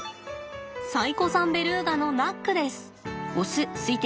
最古参ベルーガのナックです。